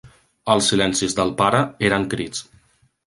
Els silencis del pare eren crits.